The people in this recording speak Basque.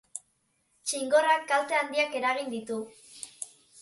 Txingorrak kalte handiak eragin ditu.